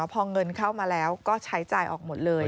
พอเงินเข้ามาแล้วก็ใช้จ่ายออกหมดเลย